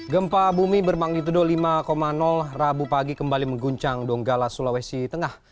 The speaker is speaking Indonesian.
gempa bumi bermagnitudo lima rabu pagi kembali mengguncang donggala sulawesi tengah